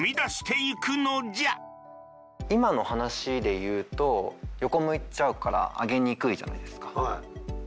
今の話で言うと横向いちゃうからあげにくいじゃないですか。